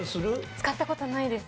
使った事ないです。